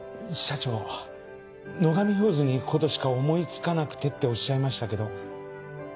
社長野上フーズに行くことしか思い付かなくてっておっしゃいましたけど。